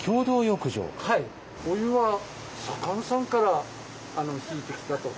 お湯は佐勘さんから引いてきたと。